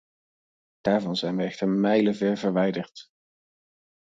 Daarvan zijn we echter mijlenver verwijderd.